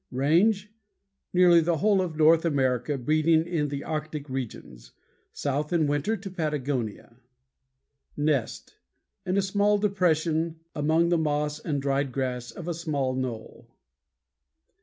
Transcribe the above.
RANGE Nearly the whole of North America, breeding in the Arctic regions; south in winter to Patagonia. NEST In a small depression among the moss and dried grass of a small knoll.